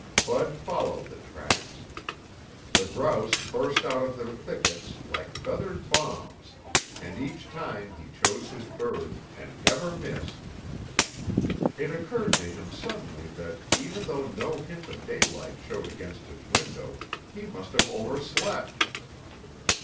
Bud followed the tracks. The grouse burst out of their thickets like feathered bombs and each time he choose his bird and never missed. It occurred to him suddenly that, even though no hint of daylight showed against his window, he must have overslept.